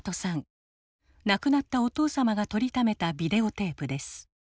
亡くなったお父様が撮りためたビデオテープです。